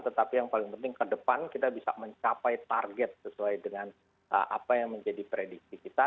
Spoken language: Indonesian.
tetapi yang paling penting ke depan kita bisa mencapai target sesuai dengan apa yang menjadi prediksi kita